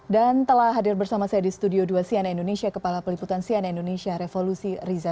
dan telah hadir bersama saya di studio dua sian indonesia kepala peliputan sian indonesia revolusi riza